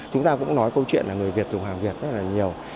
chúng ta cũng nói câu chuyện là người việt dùng hàng việt rất là nhiều